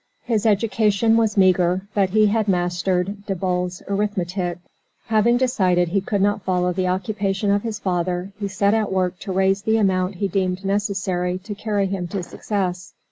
His education was meager, but he had mastered Daboll's Arithmetic. Having decided that he could not follow the occupation of his father, he set at work to raise the amount he deemed necessary to carry him to success.